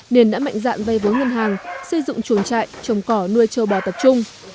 nên đã mạnh dạng vây vốn ngân hàng xây dựng chuồng trại trồng cỏ nuôi trâu bò tập trung